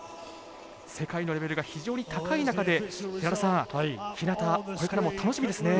世界のレベルが非常に高い中で日向、これからも楽しみですね。